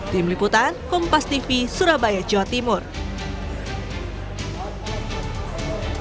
tim liputan kompas tv surabaya jawa timur